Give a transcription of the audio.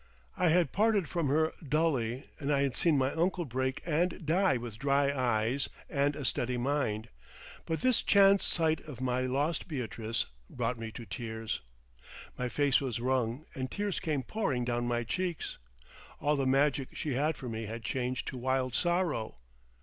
I had parted from her dully and I had seen my uncle break and die with dry eyes and a steady mind, but this chance sight of my lost Beatrice brought me to tears. My face was wrung, and tears came pouring down my cheeks. All the magic she had for me had changed to wild sorrow.